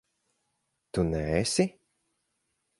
Tu neesi?